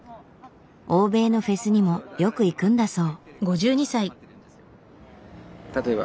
欧米のフェスにもよく行くんだそう。